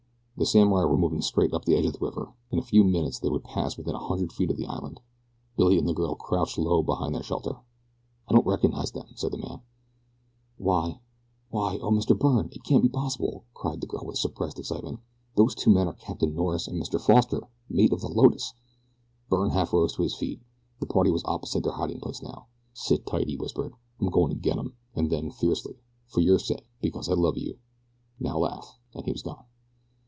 The samurai were moving straight up the edge of the river. In a few minutes they would pass within a hundred feet of the island. Billy and the girl crouched low behind their shelter. "I don't recognize them," said the man. "Why why O Mr. Byrne, it can't be possible!" cried the girl with suppressed excitement. "Those two men are Captain Norris and Mr. Foster, mate of the Lotus!" Byrne half rose to his feet. The party was opposite their hiding place now. "Sit tight," he whispered. "I'm goin' to get 'em," and then, fiercely "for your sake, because I love you now laugh," and he was gone.